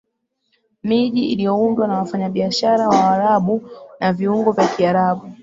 Miji Iliyoundwa na wafanyabiashara wa waarabu na viungo vya Kiarabu